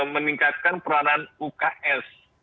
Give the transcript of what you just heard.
meningkatkan peranan uks